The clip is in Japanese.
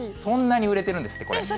そんなに売れてるんですって、これ。